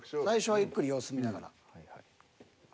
最初はゆっくり様子見ながら。